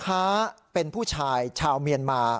ค้าเป็นผู้ชายชาวเมียนมา